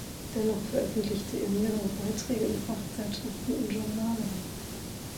Dennoch veröffentlichte er mehrere Beiträge in Fachzeitschriften und Journalen.